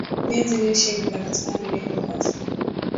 viazi lishe vinapatikana duniani kote